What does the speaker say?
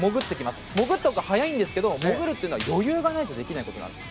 潜ったほうが速いんですけど潜るというのは余裕がないとできないことなんです。